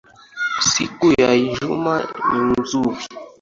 Siku ya ijumaa ni nzuri